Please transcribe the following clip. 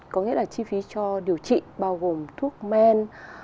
có nghĩa là chi phí cho điều trị bao gồm thuốc men